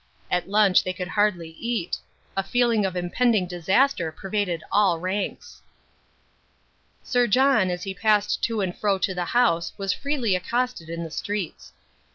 At lunch they could hardly eat. A feeling of impending disaster pervaded all ranks. Sir John as he passed to and fro to the House was freely accosted in the streets.